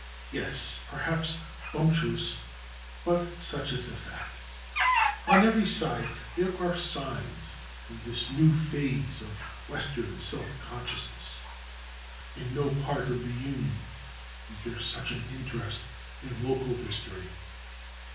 Yes, perhaps bumptiousness, but such is the fact. On every side there are signs of this new phase of western self consciousness. In no part of the Union is there such an interest in local history.